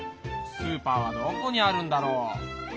スーパーはどこにあるんだろう？